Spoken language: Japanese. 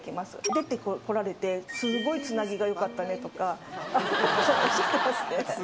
出てこられて、すごいつなぎがよかったねとか、おっしゃってますね。